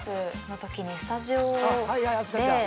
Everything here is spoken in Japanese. ［はいはい明日香ちゃん］